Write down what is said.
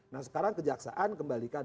nah sekarang kejaksaan kembalikan